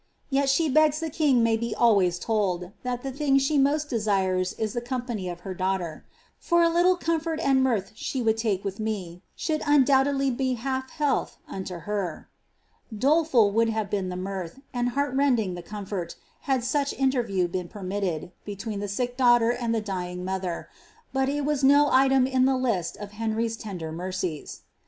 Tet she begs the king may be always told, that the thing she most desires is the company of her daughter ;^^ for a little comfort and mirth she would take with me should undoubtedly be a half health unto her.'^^ Doleful would have been the mirth, and heart rending the comfort, had such interview been pennitted, between the sick daughter and tiie dying motlier; but it was no item in the list of Uenr\'^s tender mercies.